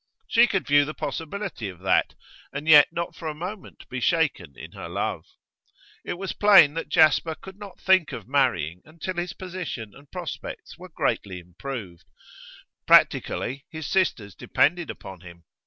She could view the possibility of that, and yet not for a moment be shaken in her love. It was plain that Jasper could not think of marrying until his position and prospects were greatly improved; practically, his sisters depended upon him.